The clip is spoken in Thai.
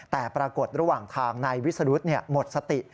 แต่ปรากฏระหว่างทางนายวิสรุธหมดสติ